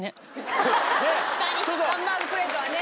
ハンバーグプレートはね。